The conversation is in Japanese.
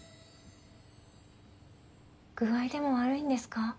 具合でも悪いんですか？